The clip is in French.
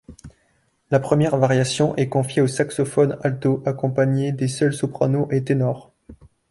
La première variation est confiée au saxophone alto accompagné des seuls soprano et ténor.